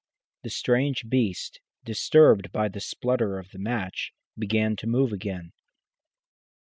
The strange beast, disturbed by the splutter of the match, began to move again.